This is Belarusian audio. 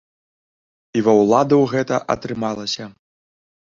І ва ўладаў гэта атрымалася.